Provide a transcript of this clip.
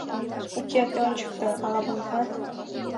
— Уке, тый ончыкто... ала монденат.